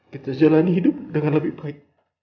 kita jalani hidup dengan lebih baik